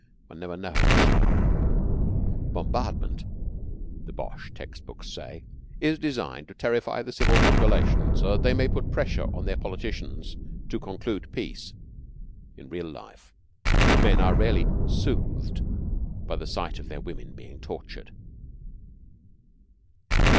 One never knows. Bombardment, the Boche text books say, "is designed to terrify the civil population so that they may put pressure on their politicians to conclude peace." In real life, men are very rarely soothed by the sight of their women being tortured.